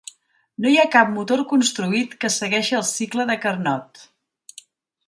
No hi ha cap motor construït que segueixi el cicle de Carnot.